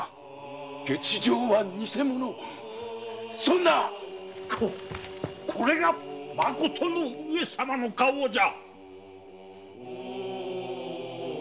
下知状は偽物そんなこれがまことの上様の花押じゃ。